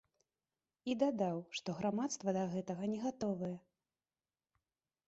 І дадаў, што грамадства да гэтага не гатовае.